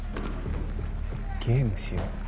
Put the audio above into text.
ゲームしよう。